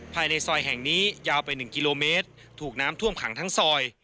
ภายในซอยแห่งนี้ยาวไป๑กิโลเมตรถูกน้ำท่วมขังทั้งซอย